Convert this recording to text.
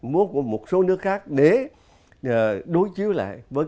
múa của một số nước khác để đối chiếu lại